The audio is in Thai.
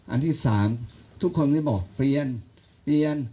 อันที่๓ทุกคนก็บอกเปลี่ยน